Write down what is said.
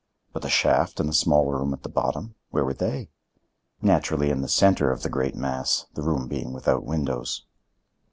But the shaft and the small room at the bottom—where were they? Naturally in the center of the great mass, the room being without windows.